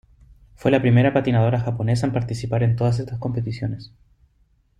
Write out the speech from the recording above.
Fue la primera patinadora japonesa en participar en todas estas competiciones.